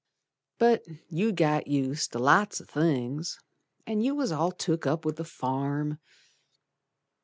But you'd got used ter lots o' things, An' you was all took up with the farm.